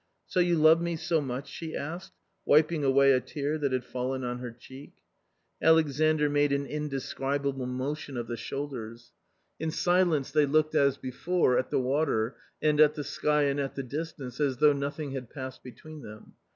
" So you love me so much ?" she asked, wiping away a tear that had fallen on her cheek. Alexandr made an indescribable motion of the shoulders. A COMMON STORY 95 In silence they looked as before at the water and at the sky and at the distance, as though nothing had passed between them.